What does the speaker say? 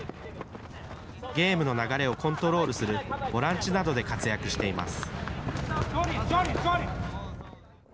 ゲームの流れをコントロールするボランチなどで活躍しています。